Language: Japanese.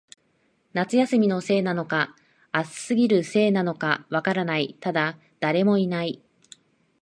夏休みのせいなのか、暑すぎるせいなのか、わからない、ただ、誰もいない